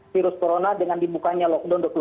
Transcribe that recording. virus corona dengan dibukanya lockdown